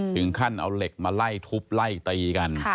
ถึงขั้นเอาเหล็กมาไล่ทุบไล่ตีกัน